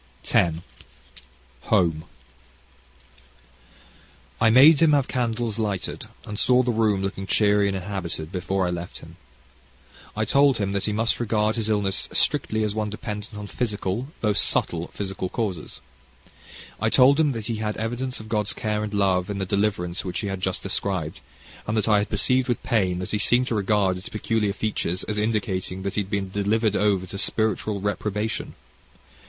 CHAPTER X Home I made him have candles lighted, and saw the room looking cheery and inhabited before I left him. I told him that he must regard his illness strictly as one dependent on physical, though subtle physical causes. I told him that he had evidence of God's care and love in the deliverance which he had just described, and that I had perceived with pain that he seemed to regard its peculiar features as indicating that he had been delivered over to spiritual reprobation.